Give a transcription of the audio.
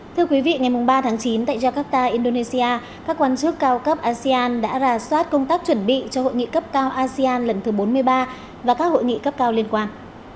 thưa quý vị ngày ba tháng chín tại jakarta indonesia các quan chức cao cấp asean đã rà soát công tác chuẩn bị cho hội nghị cấp cao asean lần thứ bốn mươi ba và các hội nghị cấp cao liên quan